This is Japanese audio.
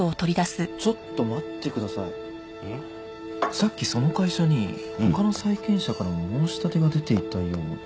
さっきその会社に他の債権者からも申し立てが出ていたような。